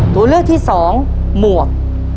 ตัวเลือกที่๒หมวก